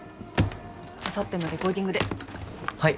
あさってのレコーディングではい